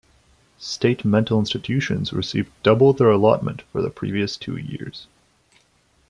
State mental institutions received double their allotment for the previous two years.